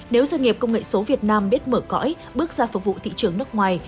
nếu doanh nghiệp công nghệ số việt nam biết mở cõi bước ra phục vụ thị trường nước ngoài